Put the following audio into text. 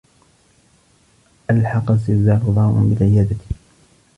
ألحق الزّلزال ضررا بالعيادة.